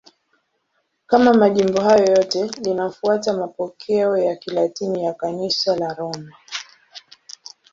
Kama majimbo hayo yote, linafuata mapokeo ya Kilatini ya Kanisa la Roma.